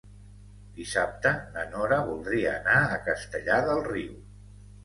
Dissabte na Nora voldria anar a Castellar del Riu.